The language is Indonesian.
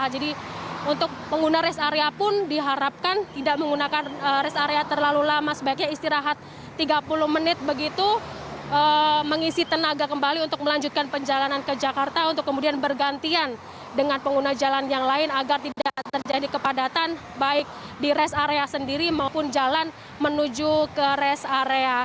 jadi untuk pengguna rest area pun diharapkan tidak menggunakan rest area terlalu lama sebaiknya istirahat tiga puluh menit begitu mengisi tenaga kembali untuk melanjutkan penjalanan ke jakarta untuk kemudian bergantian dengan pengguna jalan yang lain agar tidak terjadi kepadatan baik di rest area sendiri maupun jalan menuju ke rest area